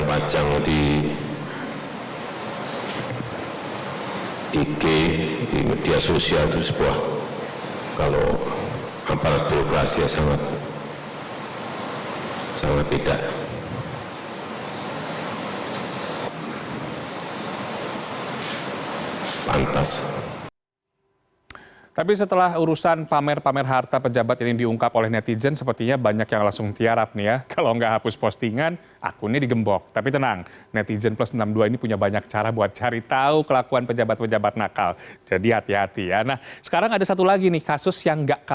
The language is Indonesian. berarti sampai dipajang pajang di ig di media sosial itu sebuah kalau amparat beroperasi sangat sangat tidak